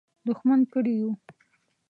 دښمن کړي یو.